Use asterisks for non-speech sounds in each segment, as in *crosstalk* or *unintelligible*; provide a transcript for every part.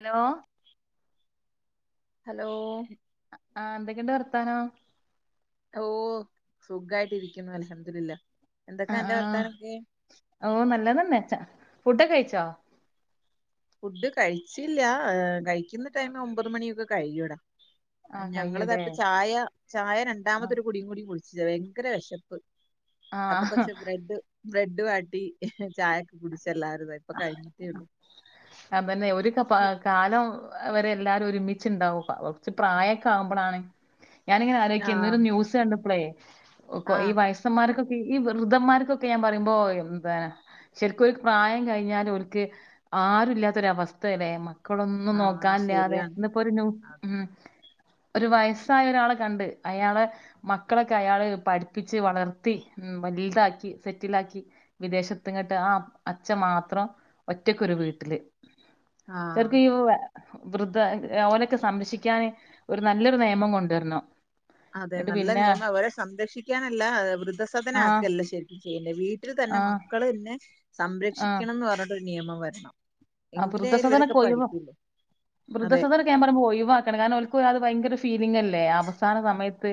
Hello hello ആ എന്തൊക്കെണ്ട് വർത്താനം ഓ സുഖായിട്ട് ഇരിക്കുന്നു അല്ഹംദുലില്ലഹ് ആ ആ ഓ നല്ലതന്നെ ഫുഡ് കഴിച്ചോ ഫുഡ് കഴിച്ചില്ല കഴിക്കുന്ന ടൈം ഒമ്പത് മണിയൊക്കെ കഴിയൂടാ ആഹ് കഴിയൂല്ലേ ഞങ്ങൾതപ്പം ചായ ചായ രണ്ടാമതരു കുടിയും കൂടി കുടിച്ചു *unintelligible* ഭയങ്കര വിശപ്പ് അപ്പൊ ആഹ് കൊച്ച ബ്രെഡ് ബ്രെഡ് വാട്ടി ചായൊക്കെ കുടിച്ചു എല്ലാവാരും ഇത ഇപ്പ കഴിഞ്ഞിട്ടേ ഉള്ളൂ അതന്നെ ഒരു കാലം അവരെ എല്ലാരും ഒരുമിച്ചുണ്ടാവും കുറച്ച് പ്രായമൊക്കെ ആവുമ്പോളാണ് ഞാനിങ്ങനെ അലോയിക്കാർന്നഒരു ആഹ് ന്യസ് കണ്ടപ്പോളേ ഒക്ക ഈ ആഹ് വയസ്സന്മാർക്കെ ഈ വൃതന്മാർക്കൊക്കെ ഞാൻ പറയുമ്പോ എന്ത ശരിക്കും പ്രായം കഴ ഞ്ഞാൽ അവക്ക് ആരുും ഇല്ലാത്തൊര അവസ്ഥല്ലേ മക്കളൊന്നും ആഹ് നോക്കാനില്ലാതെ ശരിയാണ് ഇന്നിപ്പോൊ ഒരു നു അതെ ഒരു വയസ്സായ ഒരാളെ കണ്ട് അയാളെ മക്കളൊക്കെ അയാള പഠിപ്പിച്ച് വളർത്തി വലിതാക്കി സെറ്റിലക്കി വിദേശത്ത് ഇങ്ങോട്ട് ആ അച്ഛൻ മാ ത്രം ഒറ്റക്കൊരു വീട്ടില് ആഹ് ചർക്ക് ഇ വൃദ്ധ അവഓലെയൊക്കെ സംരക്ഷിക്കാാന് ഒരു നല്ലൊരു നിയമകൊണ്ടുവരുണം അതെ നല്ല നിയമം അവരെ സംരക്ഷിക്കാനല്ല വൃദ്ധസദന ആഹ് ആക്ക ല്ല ശരിക്കും വീട്ടിൽ തന്നെ ആഹ് മക്കള് ന്നെ ആഹ് സംരക്ഷിക്കണംന്ന് പറഞ്ഞട്ടൊ നിയമം വരണം ആ എങ്കിലേ ഇവരൊക്കെ വൃദ്ധസദനൊക്കെ ഒയി പഠിക്കുള്ളൂ അതെ വൃദ്ധസദനക്കെ പറുമ്പോ ഒയിവാക്കണം കാരണം ഒൽകെ അത് ഭയങ്കര ഫീലിംഗല്ലേ അവസാന സമയത്ത്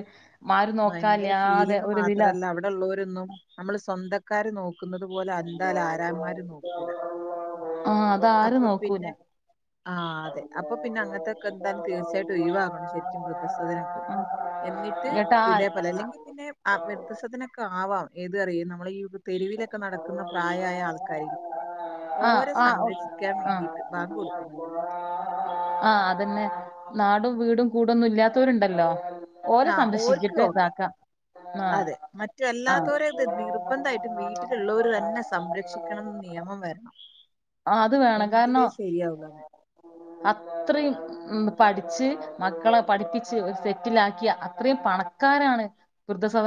ആരും ഭയങ്കര നോക്കാല്ലാതെ ഫീലിങ് ഒരു ഇതിലാ മാത്രല്ല അവിടൊള്ളോ രൊന്നും നമ്മള് സ്വന്തം ആക്കാര് നോ ക്കുന്നത് പോലെ എന്താാലും ആരന്മാര് നോക്കൂല ആഹ് അതാരും അപ്പൊ നോക്കൂല പിന്നെ ആ അതെ അപ്പൊ പിന്നെ അങ്ങൻത്തൊക്കെ എന്തായാലും തീർച്ചയായിട്ടും ഒഴിവാകണം ശരിക്കും വൃദ്ധസദനൊക്കെ. എന്നിട്ട് ഏട്ടാ ഇതേപോലെ അല്ലെങ്കി പിന്നെ ആ വൃദ്ധസദനൊക്കെ ആവം ഏത് അറിയ്‌ നമ്മളെ ഈ പ്രായമായ ആൾക്കാരില്ലേ ആആ ഓരെ ആ സംരക്ഷിക്കാൻ വേണ്ടിട്ട് ബാങ്ക് കൊടുക്കുന്നുണ്ടല്ലേ ആ അതന്നെ നാടും വീടും കൂടൊന്നും ഇല്ലാത്തവരുണ്ടല്ലോ ആ ഓര്ക് ഓക്കെ ആ അതെ മറ്റ് ആ അല്ലാത്തവരെ ത് നിർബന്ധായി റ്റ്മ് വീട്ടിലുള്ളോര് തന്നെ സംരക്ഷിക്കണം നിയമം വരണം അത് വേണം കാരണം എങ്കിലേ ശരിയാവുള്ളൂ അത് അത്രയും ഉം. പഠിച്ച് മക്കളെ പഠിപ്പിച്ച് ഒരു സെറ്റിലാക്കിയ അത്രയും പണക്കാരാണ് വൃദ്ധ സദ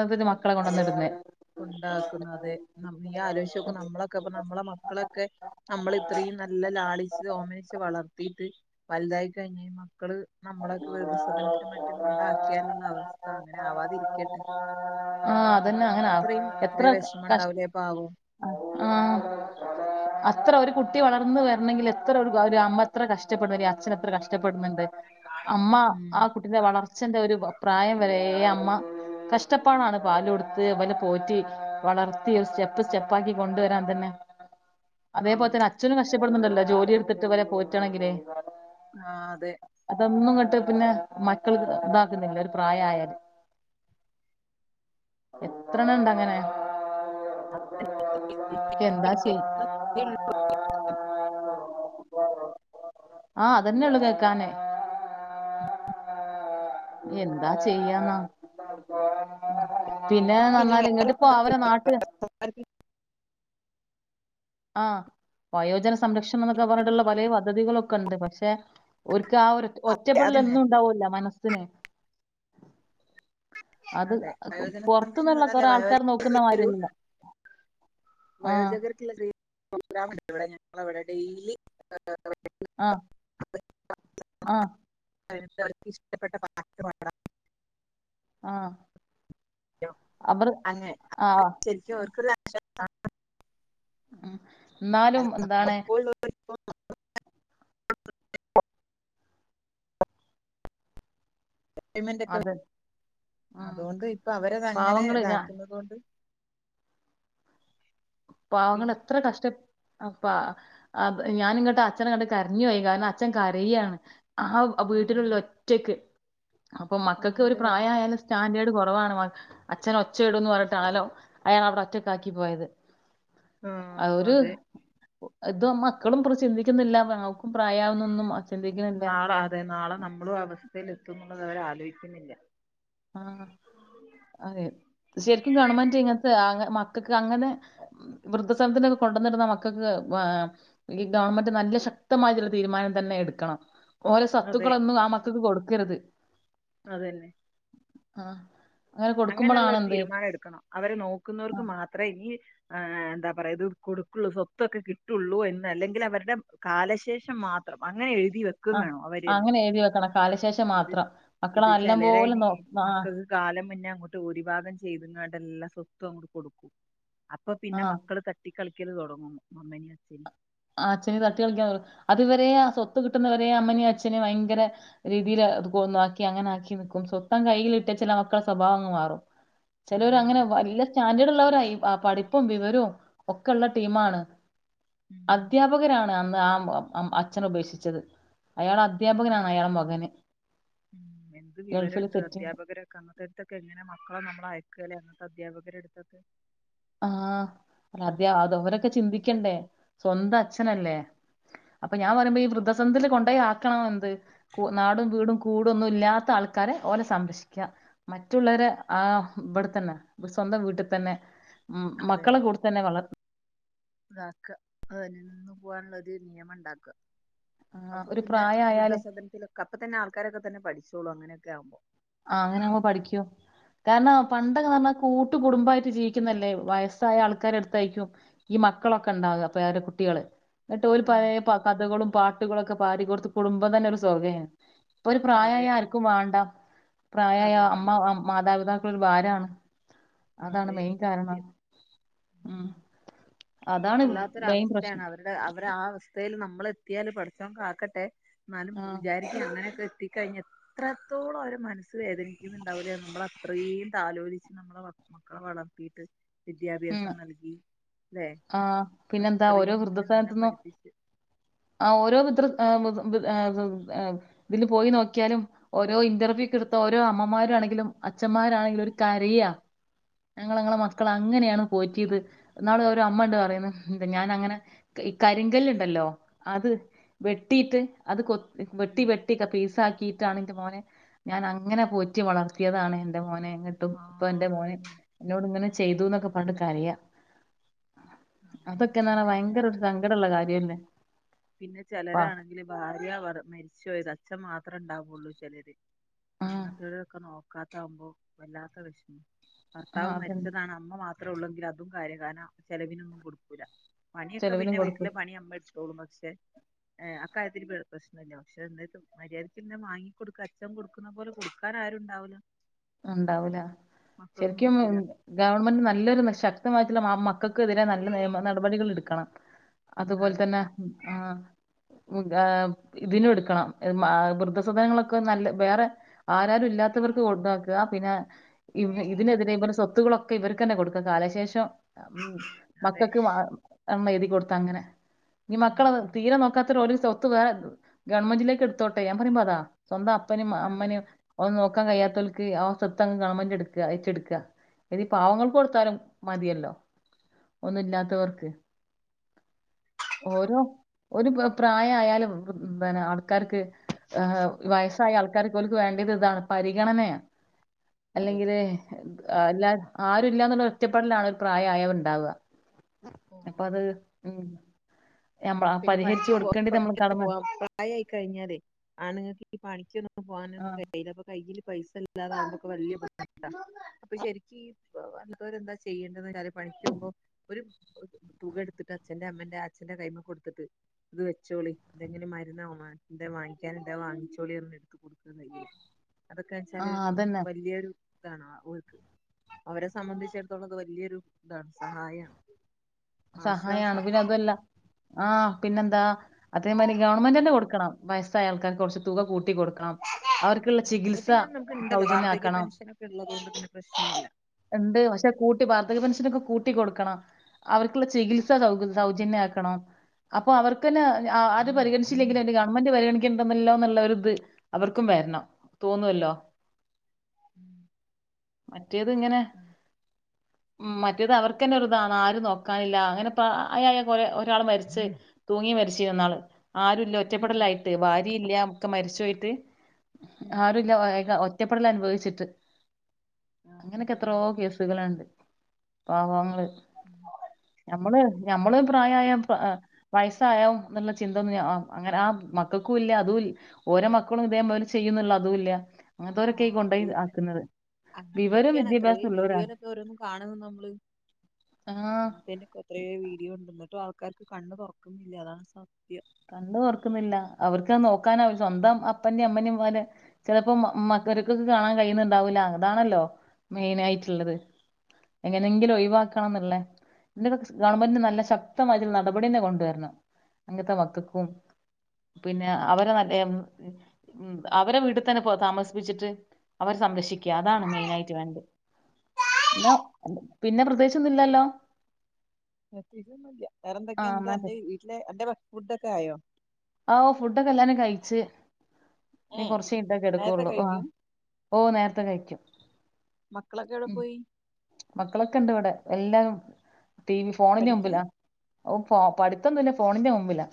കൊണ്ടാക്കുന്ന അതെ നമ്മി ആലോയ്‌ച്യൊക് നമ്മളൊക്കപ്പ മ്മളെ മക്കളൊക്കെ അമ്മള് ഇത്രീം നല്ല ലാളിച്ച് ഓമനിച്ച് വളർത്തിട്ട് വൽതായി കഴിഞ്ഞാ മക്കള് നമ്മളൊക്കെ വൃദ്ധസദനത്തിലും മറ്റും കൊണ്ടാക്കിയാലുള്ള അവസ്ഥ അങ്ങനെ ആവാതിരിക്കട്ടെ. ആഹ് അതന്നെ അങ്ങനെ ഇത്രയും എത്ര ഇത്രയും വിഷമം കഷ ഉണ്ടാവൂലേ പാവം ആഹ് അത്ര ഒരു കുട്ടി വളർന്ന് വര്ണങ്കില് എത്ര ഒരു ഗ അമ്മ ത്ര കഷ്ടപ്പെടുലെ അച്ഛൻ എത്ര കഷ്ടപ്പെടുന്നുണ്ട്. അമ്മ ഉം ആ കുട്ടിന്റെ വളർച്ചന്റെ ഒരു പ്രായം വരേ അമ്മ കഷ്ടപ്പാടാണ് പാല് കൊടുത്ത് ഇവനെ പോറ്റി, വളർത്തി സ്റ്റെപ്പ് സ്റ്റെപ്പ് പ്പാക്കി കൊണ്ടുവരാൻ തന്നെ. അതേപോലെ ആഹ് തന്നെ അച്ഛനും അതെ കഷ്ടപ്പെടുന്നുണ്ടല്ലോ ജോലി എടുത്തിട്ട് ഇവരെ പോ റ്റെണെങ്കില് ആഹ് അതെ. ഒന്നും ഇങ്ങട്ട് പിന്നെ മക്കള് ഇതാക്കുന്നില്ല ഒരു പ്രായായാല് എത്രണ്ണം ഇണ്ടങ്ങനെ. ചെയ്യ *unintelligible* ആഹ് അതെന്നെള്ളു കേക്കാന്. എന്താ ചെയ്യാന്നാ ഇപ്പം പിന്നെന്ന് പറഞ്ഞാല് പിന്നെ ഇങ്ങട്ടിപ്പോ അവരെ നാട്ടില് ആഹ് വയോജന സംരക്ഷണംന്നൊക്കെ പറഞ്ഞിട്ടുള്ള പലയ പദ്ധതികളൊക്കെ ഇണ്ട് പക്ഷെ ഒരു ആ ഒരു ഒറ്റ അതന്നെ ഒറ്റപ്പെടലെന്നും ഇണ്ടാവല്ലോ മനസ്സ് ഇന് അത് അതെ വയോജന പുറത്തുന്നുള്ള സംരക്ഷണം അല്ല കുറേ വയോജ ആൾക്കാര് നോക്കുന്നമാരി ഒരു അല്ലല്ലോ ആഹ്. പ്രോഗ്രാമിണ്ട് ഇവിടെ ഞങ്ങളവിടെ ഡെയിലി *unintelligible* ആഹ്. *unintelligible* ആഹ്. *unintelligible* ർക്ക് ഇഷ്ടപ്പെട്ട പാട്ട് പാടാ ആഹ് അവർ അങ്ങനെ ആഹ്. ശരിക്കും *unintelligible* ഉം. എന്നാലും എന്താണ്? *unintelligible* *unintelligible* അത് ഉം അതുകൊണ്ട് ഇപ്പൊ അവരതങ്ങനെ പാവങ്ങള് ഞാ ഇതാക്കുന്നുന്നത് കൊണ്ട് പാവങ്ങള് പിന്നെ എത്ര കഷ്ട അപ്പ ആ അത് ഞാനങ്ങട്ട് അച്ചനെ കണ്ട് കരഞ്ഞു പോയി കാരണം അച്ഛൻ കരയാണ്. ആഹ് ആഹ് വീട്ടിലുള്ളിൽ ഒറ്റക്ക് അപ്പൊ മക്കൾക്ക് ഒരു ആണല്ലേ പ്രായായാലും സ്റ്റാൻഡേർഡ് കൊറവാണ് അച്ഛനൊച്ച ഇടുന്ന് പറഞ്ഞിട്ടാല്ലോ അ അവിടെ ഒറ്റക്കാക്കി പോയത് ആഹ് അവര് അതെ ഇതും മക്കളും ചിന്തിക്കുന്നില്ല *unintelligible* പ്രായവുന്നൊന്നും നാളെ അതെ നാളെ നമ്മളും അവസ്ഥ ൽ എത്തും ന്നുള്ളത് അവര് ആലോചിക്കുന്നില്ല ആ അതെ ശരിക്കും ഗവൺമെന്റ് ഇങ്ങനത്തെ ആ മ മക്കൾക്ക് അങ്ങനെ വൃദ്ധസദനത്തിലൊക്കെ കൊണ്ടുവന്നിടുന്ന മക്കൾക്ക് ഈ ഗവൺമെന്റ് നല്ല ശക്തമായിട്ടുള്ള തീരുമാനം തന്നെ എടുക്കണം ഓരുടെ സ്വത്തുക്കളൊന്നും ആ മ ത്ക് കൊടുക്കരുത് അതെ ആ അങ്ങനെയുള്ള ഒരു തീരുമാനം എടുക്കണം അവരെ നോക്കുന്നവർക്ക് ആഹ് മാത്രേ ഇനി ആ എന്താ പറയാ ഇത് കൊടുക്കുള്ളൂ സ്വത്തൊക്കെ കിട്ടുള്ളൂ എന്ന് അല്ലെങ്കിൽ അവരുടെ കാലശേഷം മാത്രം അങ്ങനെ എഴു ആ അങ്ങനെ എഴുതി വെക്കണം കാലശേഷം ഇത് മാത്രം മക്കള് ഇത് നല്ലം ചിലരെ പോലെ നോ അ ആ ങ്ങോട്ട് ഓരിഭാഗം ചെയ്തുങ്ങാണ്ടെല്ല സ്വത്തും അങ്ങോട്ട് കൊടുക്കും അപ്പൊ പിന്നെ ആഹ് മക്കള് തട്ടി കളിക്കല് തുടങ്ങും മ്മനിം അച്ഛനിം ആ അച്ഛനി തട്ടി കളിക്കാൻ അവർ അത് വരേ ആ സ്വത്ത് കിട്ടുന്നവരേ അമ്മനി അച്നി ഭയങ്കര രീതിയില് അത്‌ കൊന്നാക്കി അങ്ങനെ ആക്കി നിക്കും സ്വത്തം കയ്യിലിട്ട് ചില മക്കളുടെ സ്വഭാവം അങ്ങ് മാറും ചേലോര് അങ്ങനെ അതന്നെ വല്ല സ്റ്റാൻഡേർഡ് ഉള്ളവരായി പഠിപ്പ പ്പും വിവരവും ഒക്കെയുള്ള ടീമാണ് ഉം അദ്ധ്യാപകരാണ് അന്ന് ആ അച്ഛനെ ഉപേക്ഷിച്ചത് അയാൾ അധ്യാപകനാണ് അയാളെ മകന് ഉം എന്ത് ഗൾഫിൽ വിവരണ്ട് സെറ്റിങ് അധ്യാപകരൊക്കെ അങ്ങൻത്തൊക്കെ എങ്ങനെ മക്കളെ നമ്മളയക്കാലെ അധ്യാപകരെ എടുത്ത്ന്ന് ആ അതെ അതോ അവരൊക്കെ ചിന്തിക്കണ്ടേ സ്വന്തം അച്ഛനല്ലേ അപ്പൊ ഞാൻ പറയുമ്പോ ഈ വൃദ്ധസൻതില് കൊണ്ടോയി ആക്കണം എന്ത് കൂ നാടും വീടും കൂടൊന്നും ഇല്ലാത്ത ആൾക്കാരെ ഓലെ സംരക്ഷിക്ക മറ്റുള്ളവര് ആ ബ്ട്ത്തന്നെ സ്വന്തം വീട്ടിൽ തന്നെ ഉം അതന്നെ മക്കളെ കൂട്ത്തന്നെ വളർ ഇതാക്ക അതെ നിന്ന് പോവാനുള്ള ഒരു നിയമം ണ്ടാക്ക അപ്പൊ ഒരു പിന്നെ പ്രായമായാല് വൃദ്ധസാദനത്തിലൊക്കെ അപ്പൊ തന്നെ ആൾക്കാരൊക്കെ തന്നെ പഠിച്ച് ചോളും അങ്ങനെയൊക്കാകുമ്പോ ആ അങ്ങനൊവുമ്പോ പഠിക്കും കാരണം പണ്ടൊന്ന് പറഞ്ഞാ കൂട്ടു കുടുംബമായിട്ട് ജീവിക്കുന്നല്ലേ വയസ്സായ ആൾക്കാരടുത്തായിരിക്കും ഈ മക്കളൊക്കെ ഉണ്ടാവ പേരകുട്ടികള് ന്നിട്ട് ഓല് ഉം. പഴേ കഥകളും പാട്ടുകളൊക്കെ പ പാടി കൊടുത്ത് കുടുംബം തന്നെ ഒരു സ്വഖേയ്ന്ന് ഇപ്പൊ ഒരു പ്രായായ അതെ ആർക്കും വാണ്ട പ്രായായ അതന്നെ അമ്മ മാതാപിതാക്കൾ ഒരു ഭാരാണ് അതാണ് അതെ മെയിൻ കാരണം സത്യം ഉം അതാണ് വല്ലാത്തൊരു മെയിൻ അവസ്ഥയാണ് പ്രശ്നം അവരുടെ അവരെ അവസ്തേൽ നമ്മ നമ്മള് എത്തിയാല് പടച്ചോൻ കാക്കട്ടെ എന്നാലും ആഹ് വിചാരിക്കും അങ്ങനൊക്കെ ത്തി കഴിഞ്ഞ എത്രത്തോളം അവരെ മനസ്സ് വേദനിക്കുന്നുണ്ടാവുല്ലേ നമ്മളത്രയും താലോലിച്ച് നമ്മളെ വളർ മക്കളെ വളർത്തീട്ട് വിദ്യാഭ്യാസം നൽകി അല്ലെ ആ പിന്നെന്താ ഓരോ അത്രയും ഇതില് നല്ല വൃദ്ധസദനത്ത്ന്നും പഠിപ്പിച്ച് ആ ഓരോ വൃദൃ ഏ വൃ *unintelligible* ഇതില് പോയി നോക്കിയാലും ഓരോ ഇന്റർവ്യൂക്ക്‌ട്ത്ത ഓരോ അമ്മമാരാണെങ്കിലും അച്ഛന്മാരാണെങ്കിലും ഓരു കരയാ ഞങ്ങൾ ഞങ്ങളെ മക്കള അങ്ങനെയാണ് പോറ്റിയത് ന്നാള് അവര് രു അമ്മ ഉണ്ട് പറയുന്നു ഞാൻ അങ്ങനെ ഈ കരിങ്കല് ഉണ്ടല്ലോ അത് വെട്ടിയിട്ട് അത് കൊത്തി വെട്ടി ഉം വെട്ടി ക പീസാ ക്കീറ്റാണ് എന്റെ മോനെ ഞാൻ അങ്ങനെ പോറ്റി വളർത്തിയതാണ് എന്റെമോനെ ന്നെട്ടും ആ ഇപ്പൊ എന്റെ മോനെ അതന്നെ ഉന്നോട് ഇങ്ങനെ ചെയ്തുന്നൊക്കെ കണ്ട് കരയാ ആഹ് അതൊക്കെന്ന് പറഞ്ഞാ അതന്നെ ഭയങ്കര ഒരു എല്ലാര് സങ്കടള്ള കാര്യല്ലേ പിന്നെ പ്പ ചിലരാണെങ്കില് ഭാര്യ ഭർ മര്ച്ചോയ സ അച്ഛൻ മാത്ര ത്ര ഉണ്ടാവാള്ളൂ ചെലര് ആഹ് അങ്ങൻത്തോരെക്കെ നോക്കാൻ ഇതാകുമ്പോ വല്ലാത്ത വെഷമം ആഹ് ഭർത്താവ് അതന്നെ മരിച്ചതാണ് അമ്മ മാത് അത്ര ഉള്ളെങ്കി അതും കാര്യം കാന ചെലവിനൊന്നും കൊടുക്കൂല പണിയൊക്കെ ചെലവിനും പിന്നെ കൊടുക്കും വീട്ടില് പണി അമ്മെ തോന്നും പക്ഷേ അക്കാര്യത്തി പ്രശ്നല്ല പക്ഷെ എന്നിട്ടും മര്യാദക്കെല്ലാം വാങ്ങികൊടുക്ക അച്ഛൻ കൊടുക്കുന്ന പോലെ കൊടുക്കാൻ ആരും ണ്ടാവില്ല ഉണ്ടാവൂല ശരിക്കും നോക്കൂല ഗവൺമെന്റ് നല്ലൊരു ശക്തമായിട്ടുള്ള മ മക്ക മക്കൾക്ക് എതിരെ നല്ല നിയമ നടപടികൾ എടുക്കണം അതുപോല അതെ തന്നെ ആഹ് ഏഹ് ഇതിനും എടുക്കണം വൃദ്ധസദനങ്ങളൊക്കെ നല്ല വേറെ ആരാരും ഇല്ലാത്തവർക്ക് കൊടു ആഹ് പിന്നെ ഇതിനെതിരെ ഇവരെ സ്വത്തുകളൊക്കെ ഇവർക്ക് തന്നെ കൊടുക്ക കാലശേഷം ഉം അതെ മക്കക്ക് വാ മേട കൊടുത്ത അങ്ങനെ ഞ്ഞി ഉം മക്കള ഉം തീരെ നോക്കാത്ത ഒരു സ് സ്വത്ത് വെ ഗവൺമെന്റിലേക്ക് ത്തോട്ടെ ഞാൻ പറയുമ്പോ അതാ സ്വന്തം അപ്പനേം അതെ അമ്മനേം ഒന്ന് നോ ക്കാൻ കഴിയാത്ത ക്ക് ആ സ്വത്തങ് ഗവൺമെന്റ് എടുക്ക ഏറ്റെടുക്കാ ഏതെ പാവങ്ങൾക്ക് കൊടുത്താലും മതിയല്ലോ. ഒന്നുല്ലാത്തവർക്ക്. ഓരോ ഒരു പ്രായയാലും പിനെ ആൾക്കാർക്ക് ഹ് വയസ്സായ ആൾക്കാർക്ക് പോലും വേണ്ട്യത് ഇതാണ് പരിഗണനയാ അതെ അല്ലെങ്കിലെ *unintelligible* എല്ലാ ആരുല്ലന്നുള്ള ഒറ്റപ്പെടലാണ് ഒരു പ്രായായ ഉണ്ടാവ അപ്പ ആഹ് അത് ഉം ഞമ്മ പിന്നെ പരിഹരിച്ചു പണിക്ക് പോ. കൊടുക്കേണ്ടത് നമ്മളെ പണിക്കൊക്കെ കടമ പ്രായായി കഴിഞ്ഞാലേയ് ആണങ്ങൾക്ക് ഈ പണിക്കൊ പോകാനൊന്നും ആഹ് കയൂല അപ്പ കയ്യില് പൈസ ഇല്ലാതാകുമ്പൊക്കെ വല്യ ബുദ്ധിമുട്ടാ അപ്പൊ ശെരിക്കീ വന്നോരെന്ത ചെയ്യണ്ടന്ന കാര്യം പണിക്കോവുമ്പം ഒരു ഒരു തുക എടുത്തിട്ട്ച്ഛന്റെ അമ്മന്റെ അച്ഛന്റെ കയ്യുമേ കൊട് ത്ത്ട്ട് ഇത് വെച്ചോളി ഇതെങ്ങനെ മരുന്നോ എന്തോ വാങ്ങിക്കാൻ ഉണ്ടോ അത് വാങ്ങിച്ചോളിന്ന് പറഞ്ഞ് ഇട്ത്ത് കൊടുക്ക കയില് അതൊക്കെച്ചാല് ആഹ് ഒരു അതന്നെ വല്യൊരു ഇതാണ് ഓൾക്ക് അവരെ സംബന്ധിച്ചിടത്തോളം ത് വല്യൊരു ഇതാണ് സഹായാണ് സഹായാണ് ആശ്വാസാണ് പിന്നെ അതു അല്ല ആഹ് പിന്നെന്താ. അതേമാരി ഗവൺമെന്റ് ന്നെ കൊടുക്കണം. വയസ്സായ ആൾക്കാർക്ക്. കൊറച്ച് തുക കൂട്ടികൊടുക്കണം അവർക്കുള്ള ഉം അത് ചികിത്സ പിന്നെ നമുക്ക് ഇണ്ടല്ലോ വാർദ്ധക്യ സൗജന്യാക്കണം. പെൻഷനൊക്കെ ഉള്ളത് കൊണ്ട് പിന്നെ പ്രശ്നമില്ല ഇണ്ട് പക്ഷെ കൂട്ടി വാർദ്ധക്യ പെൻഷനൊക്കെ കൂ കൂട്ടികൊടുക്കണം അവർ ക്കുള്ള ചികിത്സ സൗ സൗജന്യാക്കണം അപ്പൊ അവർക്കന്നെ ആര് പരിഗണിച്ചില്ലെങ്കിലും എൻ്റെ ഗവൺമെന്റ് പരിഗണിക്കണ്ട്ന്നല്ലോ ന്നുള്ളൊരു ഇത് അവർക്കും വെരണം തോന്നുവല്ലോ ഉം മറ്റേത് ഇങ്ങനെ അതെ. ഉം മറ്റേത് അവർക്കന്നെ ഒരു ഇതാണ് ആരു നോ കാനില്ല അങ്ങനെപ്രായായ ഒരാള് മരിച്ച്. തൂങ്ങി മരിച്ച് ഇന്നാള് ആരുല്ല ഉം ഒറ്റപ്പെടലായിട്ട് ഭാര്യ ഇല്ല ഒക്കെ മരിച്ചോയി ഉം *unintelligible* ഉം ആരുല്ല അയാക്ക് ഒറ്റപ്പെടൽ അനുഭവിച്ച് ട്ട് ആഹ് ആഹ് അങ്ങനൊക്കെ എത്രോ ആഹ് കേസുകളിണ്ട് പാവങ്ങള് *inaudible* ഞമ്മള് ഞമ്മള് പ്രായായ പ്പ വയസ്സായാവും ന്നുള്ള ചിന്തൊന്നും അങ്ങനെ ആ മക്കക്കൂല അതുംല് ഓരേ മക്കളും ഇതേപോലെ ചെയ്യുന്നുള്ള അതും ഇല്ല അങ്ങനത്തോരെക്കെ ഈ ആഹ് കൊണ്ടോയി അതുല്ല ആക്കുന്നത് വിവരം അങ്ങനത്തൊക്കെയാണ് എത്രയോ വിദ്യാഭ്യാസം ഉള്ളോരാ. വീഡിയോയിലൊക്കെ ഓരോന്നും കാണുന്നു ആഹ് തെന്നുക്കത്രയേ വീഡിയോ ഉണ്ട് ന്നിട്ടും ആൾക്കാർക്ക് കണ്ണ് തുറക്ണില്ല അതാണ് സത്യം കണ്ണ് തൊറക്കുന്നില്ല അവർക്ക് നോക്കാനവര് സ്വന്തം അപ്പൻ്റെം അമ്മനേം പോലെ ചെലപ്പം മക്കര്ക്ക് കാണാൻ കഴിയുന്നുണ്ടാവൂല്ല അതാണല്ലോ മെയിനായിട്ടുള്ളത് എങ്ങനെങ്കിലും ഒഴിവാക്കണം ന്നുള്ളെ *unintelligible* ഗവൺമെന്റിന് നല്ല ശക്തമായിട്ടുള്ള നടപടിയന്നെ കൊണ്ടുവരണം അങ്ങനത്തെ മ ത്ത്ക്കും. പിന്നെ അവര് മറ്റേ മ് മ് അവരെ വീട്ടി തന്നെ പോ താമസിപ്പിച്ചിട്ട് അവരെ സംരക്ഷിക്ക അതാണ് മെയിൻ ആയിട്ട് വേണ്ടത് ന്നാ പിന്നെ പ്രത്രേകിച്ചൊന്നില്ലല്ലോ വേറെ എന്തൊക്കയാന്ന് ന്റെ പിന്നെ വീട്ടിലെ അന്റെ ഫുഡൊക്കെ ആയോ ആഹ് ഓഹ് ഫുഡൊക്കെ എല്ലാരും കയിച്ച് നീ ഏഹ് കുറച്ചയിഞ്ഞട്ട് നേരത്തെ കെടക്കുള്ളൂ ആഹ് കഴിക്കും ഓഹ് നേരത്തെ കഴിക്കും മക്കളൊക്കെ എവിടെ ഉം പോയി മക്കളൊക്കെ ഇണ്ട് ഇവിടെ എല്ലാം ടി വി ഫോണിന്റെ പഠിക്കാ മുമ്പിലാ ഓ ആഹ് പഠിത്തൊന്നുല്ല, ഫോണിന്റെ മുമ്പിലാ.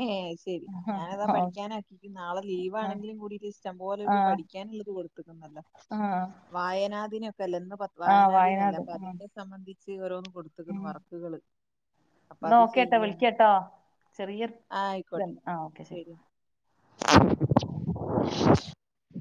ഏഹ് അയ് ശെരി ആഹ് ഞാനതാ പഠിക്യാനാക്കി നാളെ ലീവാണെങ്കിലും കൂടീട്ട് ഇഷ്ടം പോലെ ഇത് ആഹ് പഠിക്കാനിള്ളത് കൊടു *unintelligible* ആഹ് വായനാ ദിനം പ്പെല്ലന്ന് ഏഹ് ആഹ് വായനാ ദിനല്ലേ വയനാട് അപ്പൊ ഉം അതിൻ്റെ സംബന്ധി *unintelligible* കൊടുത്തക്കുണു ഉം വർക്കുകള്, അപ്പൊ എന്നാ അത് ഓക്കേട്ടോ ചെയ്യാണ്. വിളിക്കാട്ടോ ആ ആയിക്കോട്ടെ *unintelligible* ആഹ് ഓക്കെ ശെരി ശരി